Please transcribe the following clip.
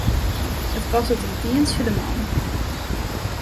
It kostet in tientsje de man.